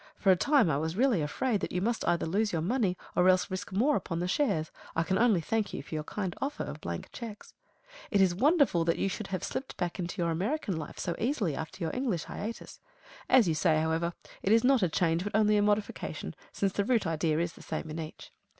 For a time I was really afraid that you must either lose your money or else risk more upon the shares. I can only thank you for your kind offer of blank cheques. It is wonderful that you should have slipped back into your American life so easily after your English hiatus. As you say, however, it is not a change but only a modification, since the root idea is the same in each.